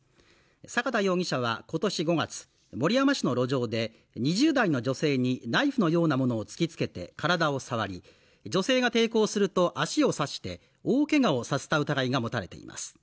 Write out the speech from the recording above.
坂田容疑者は今年５月守山市の路上で２０代の女性にナイフのようなものを突きつけて体を触り女性が抵抗すると足を刺して大けがをさせた疑いが持たれています